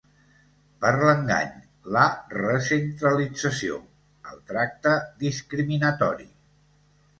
Per l’engany, la recentralització, el tracte discriminatori.